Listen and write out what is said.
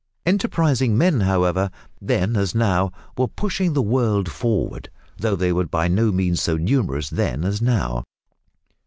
Enterprising men, however, then as now, were pushing the world forward, though they were by no means so numerous then as now.